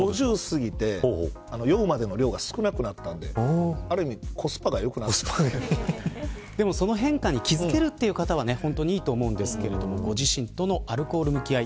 ５０過ぎて、酔うまでの量が少なくなったんででも、その変化に気付ける方はいいと思うんですけどご自身とのアルコールの向き合い